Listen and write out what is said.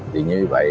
thì như vậy